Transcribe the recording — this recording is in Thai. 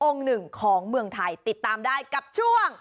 หนึ่งของเมืองไทยติดตามได้กับช่วง